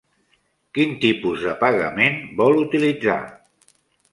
Quin tipus de pagament vol utilitzar?